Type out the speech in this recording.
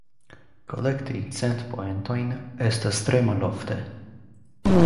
Kolekti cent poentojn estas tre malofte.